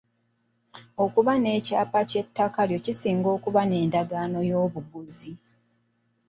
Okuba n'ekyapa ky'ettaka lyo kisinga okuba n'endagaano y'obuguzi.